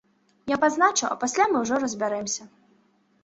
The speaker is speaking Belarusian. Я пазначу, а пасля мы ўжо разбярэмся.